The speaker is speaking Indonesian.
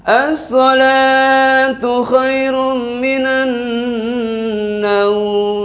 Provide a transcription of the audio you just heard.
as'alatu khairun minannaw